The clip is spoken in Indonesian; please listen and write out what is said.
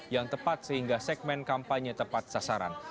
yang tepat sehingga segmen kampanye tepat sasaran